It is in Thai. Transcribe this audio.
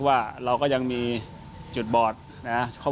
ส่วนอาการบาดเจ็บของธนบุญเกษารัฐที่มีอาการบาดเจ็บเล็กน้อย